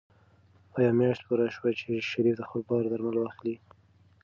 آیا میاشت پوره شوه چې شریف د خپل پلار درمل واخلي؟